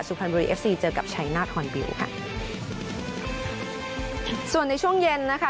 สุพรรณบุรีเอฟซีเจอกับชัยนาธฮอนบิลค่ะส่วนในช่วงเย็นนะคะ